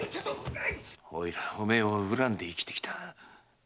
おいらはお前を恨んで生きて来た。